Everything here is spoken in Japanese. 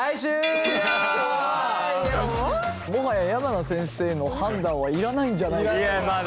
もはや山名先生の判断はいらないんじゃないかと。